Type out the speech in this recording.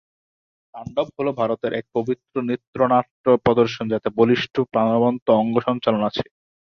তাণ্ডব হল ভারতের এক পবিত্র নৃত্য-নাট্য প্রদর্শন, যাতে বলিষ্ঠ, প্রাণবন্ত অঙ্গ সঞ্চালন আছে।